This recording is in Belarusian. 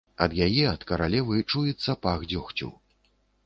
Ад яе, ад каралевы, чуецца пах дзёгцю.